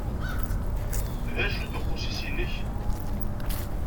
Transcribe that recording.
D acu-t uqusis-inek?